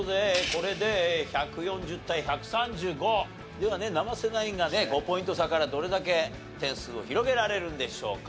ではね生瀬ナインがね５ポイント差からどれだけ点数を広げられるんでしょうか？